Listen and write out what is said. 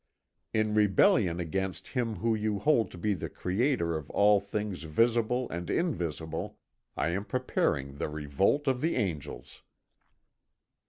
In rebellion against Him whom you hold to be the Creator of all things visible and invisible, I am preparing the Revolt of the Angels."